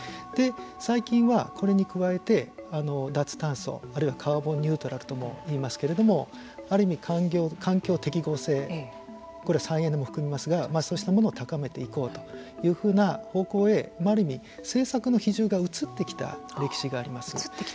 最近はこれに加えて脱炭素あるいはカーボンニュートラルとも言いますけれどもある意味環境適合性そうしたものを高めていこうというふうな方向へある意味政策の比重が移ってきた歴史があります。